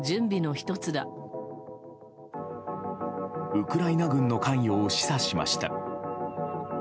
ウクライナ軍の関与を示唆しました。